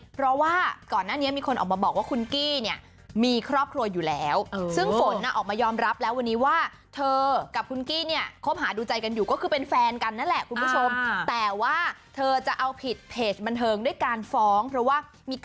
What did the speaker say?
เพราะว่าก่อนหน้านี้มีคนออกมาบอกว่าคุณกี้เนี่ยมีครอบครัวอยู่แล้วซึ่งฝนออกมายอมรับแล้ววันนี้ว่าเธอกับคุณกี้เนี่ยคบหาดูใจกันอยู่ก็คือเป็นแฟนกันนั่นแหละคุณผู้ชมแต่ว่าเธอจะเอาผิดเพจบันเทิงด้วยการฟ้องเพราะว่ามี